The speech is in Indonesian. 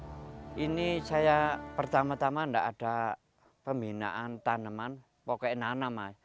disini saya pertama tama tidak ada pembinaan tanaman pokoknya nanam mas